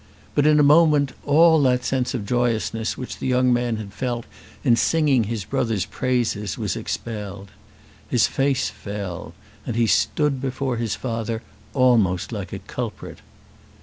But in a moment all that sense of joyousness which the young man had felt in singing his brother's praises was expelled. His face fell, and he stood before his father almost like a culprit.